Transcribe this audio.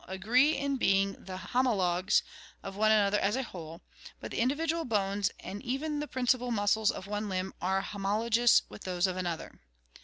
19) agree in being the homologues of one another as a whole, but the individual bones and even the principal muscles of one limb are homologous with those of another.